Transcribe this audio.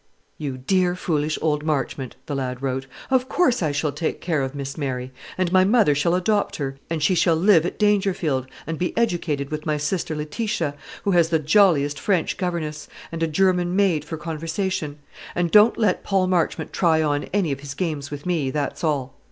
"You dear, foolish old Marchmont," the lad wrote, "of course I shall take care of Miss Mary; and my mother shall adopt her, and she shall live at Dangerfield, and be educated with my sister Letitia, who has the jolliest French governess, and a German maid for conversation; and don't let Paul Marchmont try on any of his games with me, that's all!